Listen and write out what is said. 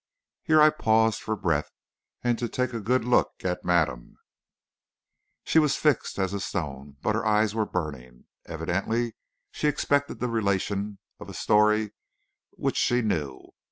'" Here I paused for breath, and to take a good look at madame. She was fixed as a stone, but her eyes were burning. Evidently she expected the relation of a story which she knew.